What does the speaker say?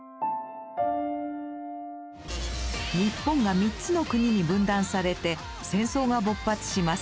日本が３つの国に分断されて戦争が勃発します。